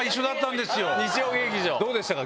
どうでしたか？